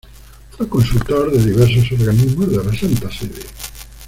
Fue consultor de diversos organismos de la Santa Sede.